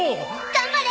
頑張れ！